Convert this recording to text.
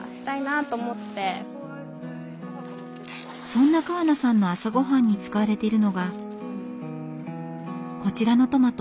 そんな川名さんの朝ごはんに使われているのがこちらのトマト。